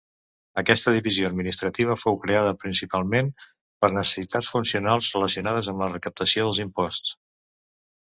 Aquesta divisió administrativa fou creada principalment per necessitats funcionals relacionades amb la recaptació dels imposts.